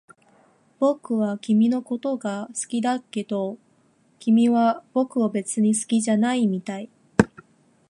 僕は君のことが好きだけど、君は僕を別に好きじゃないみたい